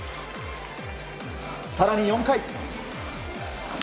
更に４回。